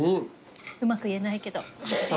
うまく言えないけどおいしい。